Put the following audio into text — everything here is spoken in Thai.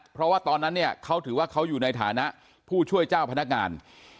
เพราะว่าตอนนั้นเนี่ยเขาถือว่าเขาอยู่ในฐานะผู้ช่วยเจ้าพนักงาน